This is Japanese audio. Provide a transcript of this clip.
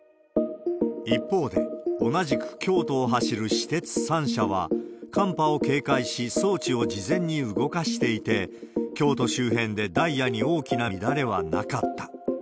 一方で、同じく京都を走る私鉄３社は、寒波を警戒し、装置を事前に動かしていて、京都周辺でダイヤに大きな乱れはなかった。